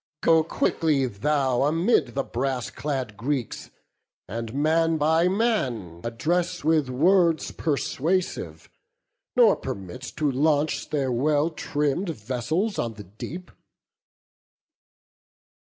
Go quickly thou Amid the brass clad Greeks, and man by man Address with words persuasive, nor permit To launch their well trimm'd vessels on the deep."